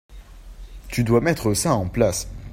Tu doit mettre ça en place.